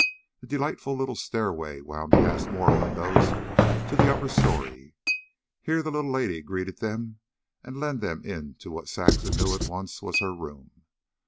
A delightful little stairway wound past more windows to the upper story. Here the little lady greeted them and led them into what Saxon knew at once was her room.